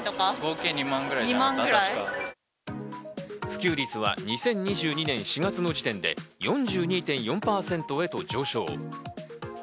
普及率は２０２２年４月の時点で４２．４％へと上昇。